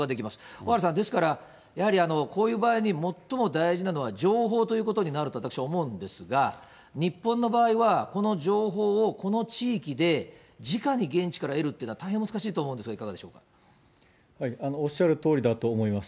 小原さん、ですから、やはりこういう場合に最も大事なのは、情報ということになると、私は思うんですが、日本の場合は、この情報をこの地域でじかに現地から得るってのは、大変難しいとおっしゃるとおりだと思います。